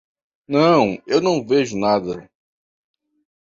Não, eu não vejo nada.